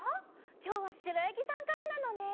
きょうはしろやぎさんからなのね！